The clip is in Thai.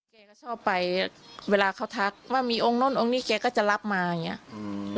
แกก็ชอบไปเวลาเขาทักว่ามีองค์โน่นองค์นี้แกก็จะรับมาอย่างเงี้อืม